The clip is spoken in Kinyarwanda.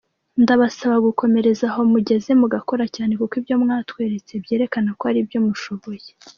ndabasaba gukomereza ahomugeze mugakora cyane kuko ibyo mwatweretse byerekana ko hari ibyo mushoboye.